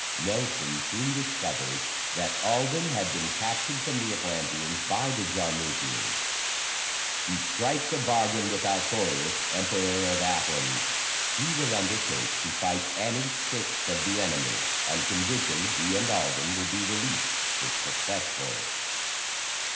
Nelson soon discovers that Alden had been captured from the Atlanteans by the Jarmuthians. He strikes a bargain with Altorius, Emperor of Atlans. He will undertake to fight any six of the enemy on condition he and Alden will be released if successful.